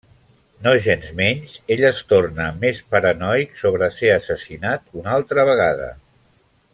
Nogensmenys ell es torna més paranoic sobre ser assassinat una altra vegada.